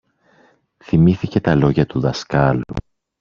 Θυμήθηκε τα λόγια του δασκάλου